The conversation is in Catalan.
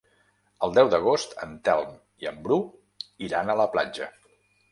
El deu d'agost en Telm i en Bru iran a la platja.